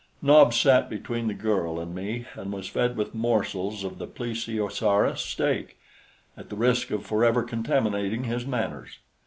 Nobs sat between the girl and me and was fed with morsels of the Plesiosaurus steak, at the risk of forever contaminating his manners.